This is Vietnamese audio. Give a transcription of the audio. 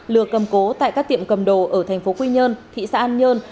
lừa cầm cố tại các tiệm cầm đồ ở thành phố quy nhơn thị xã an nhơn